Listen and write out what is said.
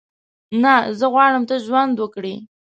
نه، زه غواړم ته ژوند وکړې.